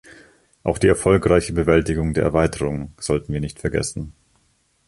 Auch die erfolgreiche Bewältigung der Erweiterung sollten wir nicht vergessen.